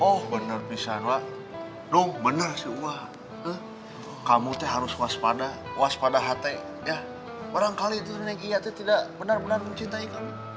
oh bener bisa dong bener sih kamu harus waspada hati ya barangkali itu nenek iya tidak benar benar mencintai kamu